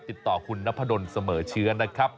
ติดต่อคุณนพดลเสมอเชื้อนะครับ